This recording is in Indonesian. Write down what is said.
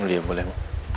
boleh ya boleh